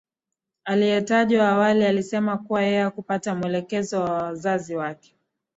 aliyetajwa awali alisema kuwa yeye hakupata mwelekezo wa wazazi wake